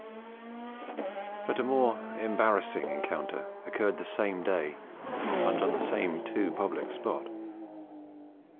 But a more embarrassing encounter occurred the same day and on the same too public spot.